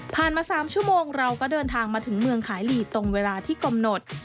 มา๓ชั่วโมงเราก็เดินทางมาถึงเมืองขายลีตรงเวลาที่กำหนด